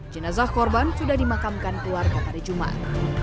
jenazah korban sudah dimakamkan keluarga pada jumat